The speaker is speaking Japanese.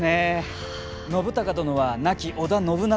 信孝殿は亡き織田信長